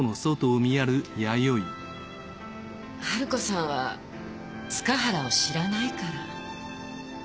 春子さんは塚原を知らないから。